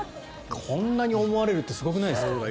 こんなに思われるってすごくないですか。